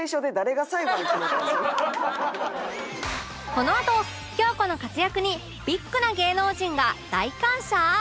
このあと京子の活躍にビッグな芸能人が大感謝？